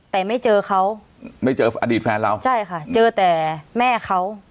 แต่ไม่เจอเขาไม่เจออดีตแฟนเราใช่ค่ะเจอแต่แม่เขา